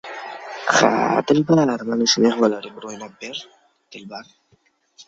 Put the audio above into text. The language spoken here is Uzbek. Ha-a, Dilbar. Mana shu mehmonlarga bir o‘ynab ber, Dilbar.